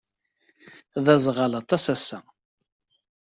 D aẓɣal aṭas ass-a.